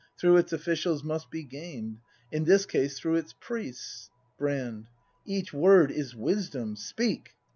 Through its officials must be gain'd. In this case through its priests Brand. Each word Is wisdom! Speak!